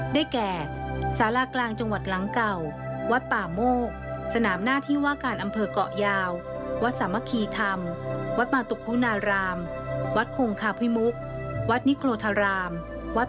ได้แก่สาลาคกรางจังหวัดรังเก่าวัดป่าโมกสนามหน้าที่ว่าการอำเภอกะยาว